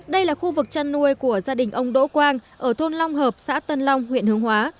đây là khu vực chăn nuôi của gia đình ông đỗ quang ở thôn long hợp xã tân long huyện hướng hóa